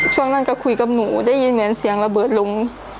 ช่วงนั้นก็คุยกับหนูได้ยินเหมือนเสียงระเบิดลง